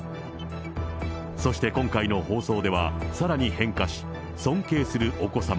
そして今回の放送では、さらに変化し、尊敬するお子様。